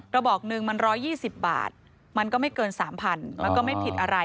ระบอกหนึ่งมัน๑๒๐บาทมันก็ไม่เกิน๓๐๐๐มันก็ไม่ผิดอะไร